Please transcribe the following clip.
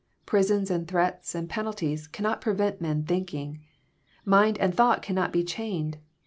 Prisons and threats and penalties cannot prevent men thinking. Mind and thought cannot be chained.